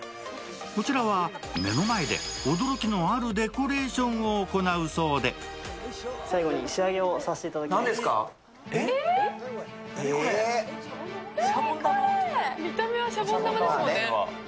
こちらは目の前で驚きのあるデコレーションを行うそうで見た目はシャボン玉ですもんね。